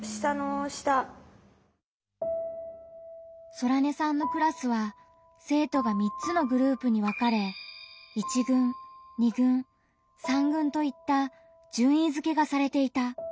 ソラネさんのクラスは生徒が３つのグループに分かれ１軍２軍３軍といった順位づけがされていた。